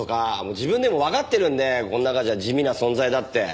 自分でもわかってるんでこの中じゃ地味な存在だって。